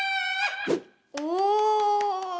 お！